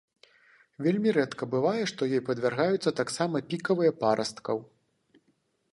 Вельмі рэдка бывае, што ёй падвяргаюцца таксама пікавыя парасткаў.